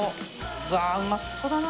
うわあうまそうだな。